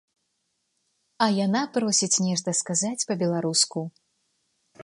А яна просіць нешта сказаць па-беларуску.